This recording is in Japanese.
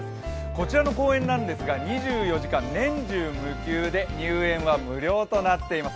こちらの公園なんですが２４時間営業で入園は無料となっています。